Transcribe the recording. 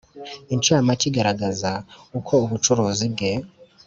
incamake igaragaza uko ubucuruzi bwe